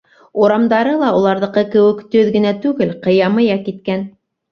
Урамдары ла, уларҙыҡы кеүек, төҙ генә түгел, ҡыя-мыя киткән.